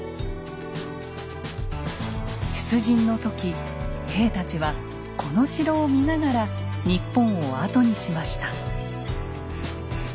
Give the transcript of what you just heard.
出陣の時兵たちはこの城を見ながら日本を後にしました。